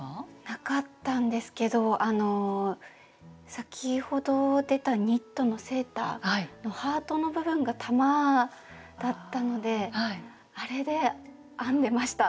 なかったんですけどあの先ほど出たニットのセーターのハートの部分が玉だったのであれで編んでました。